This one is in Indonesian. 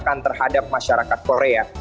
rasakan terhadap masyarakat korea